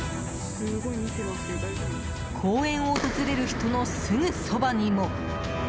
公園を訪れる人のすぐそばにも。